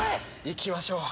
いきましょう。